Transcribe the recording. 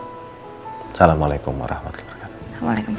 assalamualaikum warahmatullahi wabarakatuh